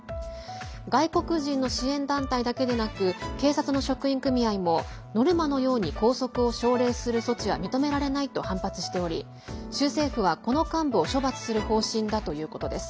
外国人の支援団体だけでなく警察の職員組合もノルマのように拘束を奨励する措置は認められないと反発しており州政府は、この幹部を処罰する方針だということです。